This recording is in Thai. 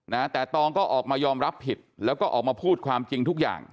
นะแต่ตองก็ออกมายอมรับผิดแล้วก็ออกมาพูดความจริงทุกอย่าง